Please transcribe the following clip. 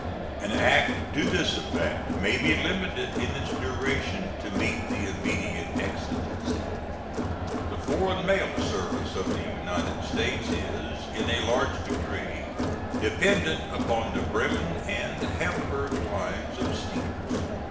An act to this effect may be limited in its duration to meet the immediate exigency. The foreign mail service of the United States is in a large degree dependent upon the Bremen and Hamburg lines of steamers.